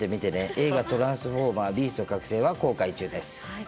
映画、トランスフォーマー／ビースト覚醒は公開中です。